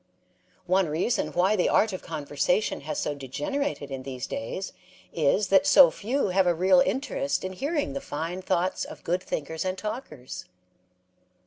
One reason why the art of conversation has so degenerated in these days is that so few have a real interest in hearing the fine thoughts of good thinker and talkers.